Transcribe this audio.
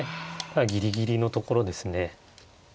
ギリギリのところですね。